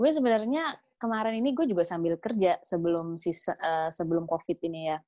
gue sebenarnya kemarin ini gue juga sambil kerja sebelum covid ini ya